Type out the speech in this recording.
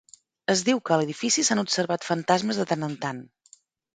Es diu que a l'edifici s'han observat fantasmes de tant en tant.